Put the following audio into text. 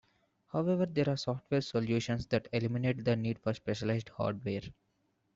However, there are software solutions that eliminate the need for specialized hardware.